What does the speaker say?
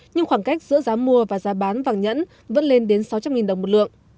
nhưng khoảng cách giữa giá mua và giá bán vàng nhẫn vẫn lên đến sáu trăm linh đồng một lượng